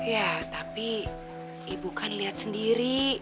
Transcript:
ya tapi ibu kan lihat sendiri